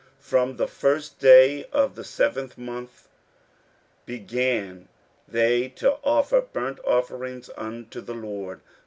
15:003:006 From the first day of the seventh month began they to offer burnt offerings unto the LORD.